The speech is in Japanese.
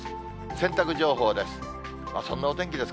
洗濯情報です。